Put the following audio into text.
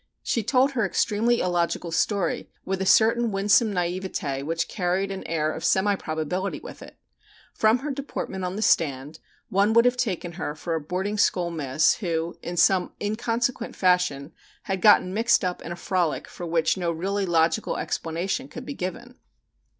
She told her extremely illogical story with a certain winsome naïveté which carried an air of semi probability with it. From her deportment on the stand one would have taken her for a boarding school miss who in some inconsequent fashion had got mixed up in a frolic for which no really logical explanation could be given.